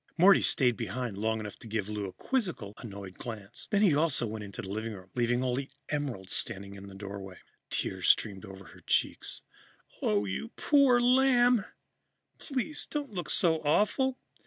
Morty stayed behind long enough to give Lou a quizzical, annoyed glance. Then he also went into the living room, leaving only Emerald standing in the doorway. Tears streamed over her cheeks. "Oh, you poor lamb please don't look so awful!